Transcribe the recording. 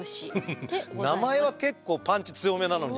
名前は結構パンチ強めなのに。